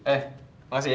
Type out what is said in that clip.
eh makasih ya